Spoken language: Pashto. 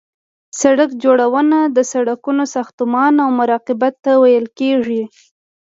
سرک جوړونه د سرکونو ساختمان او مراقبت ته ویل کیږي